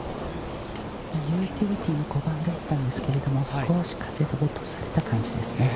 ユーティリティーの５番だったんですけども少し風で落とされた感じですね。